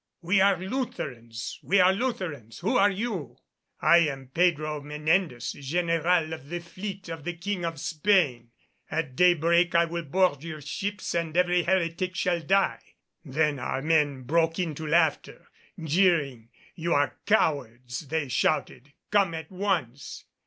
"'We are Lutherans! we are Lutherans! Who are you?' "'I am Pedro Menendez, general of the fleet of the King of Spain. At daybreak I will board your ships and every heretic shall die!' "Then our men broke into laughter and jeering; 'You are cowards,' they shouted, 'come at once.